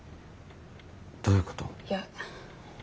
どういうこと？